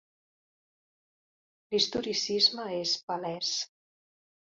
L'historicisme és palès.